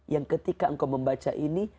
yang ketika engkau membaca ini